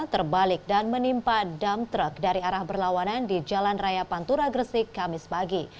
terbalik dan menimpa dam truk dari arah berlawanan di jalan raya pantura gresik kamis pagi